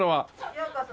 ようこそ。